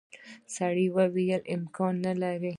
سړي وویل امکان نه لري.